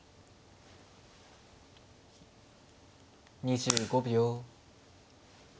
２５秒。